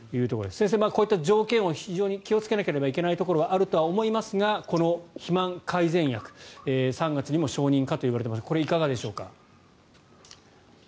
先生、こういった条件気をつけなきゃいけないところがあると思いますがこの肥満改善薬３月にも承認かといわれていますがこれ、いかがでしょうか。